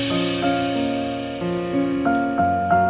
aku mau ke sana